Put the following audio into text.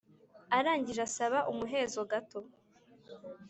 arangije asaba umuhezo gato